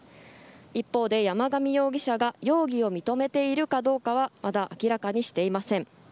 一方で、山上容疑者が容疑を認めているかどうかはまだ明らかにしていません。